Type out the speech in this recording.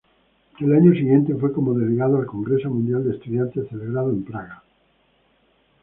El año siguiente, fue como delegado al Congreso Mundial de Estudiantes, celebrado en Praga.